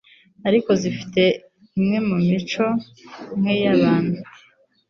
ariko zifite imwe mu mico nk'iy'abantu.